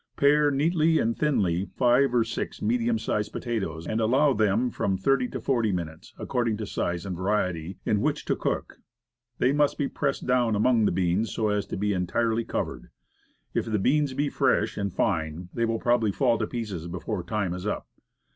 Pare neatly and thinly five or six medium sized potatoes, and allow them from thirty to forty minutes (according to size and variety), in which to cook. They must be pressed down among the beans so as to be entirely covered. If the beans be fresh and fine they will probably fall to pieces before time is up.